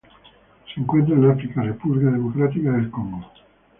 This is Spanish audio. Se encuentran en África: República Democrática del Congo.